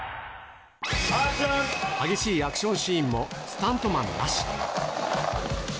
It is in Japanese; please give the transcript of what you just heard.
激しいアクションシーンも、スタントマンなし。